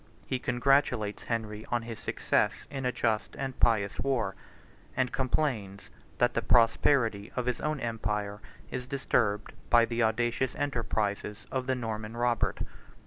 He congratulates Henry on his success in a just and pious war; and complains that the prosperity of his own empire is disturbed by the audacious enterprises of the Norman Robert.